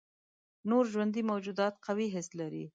نور ژوندي موجودات قوي حس لري.